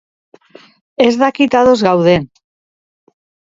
Ez dakit ados gauden.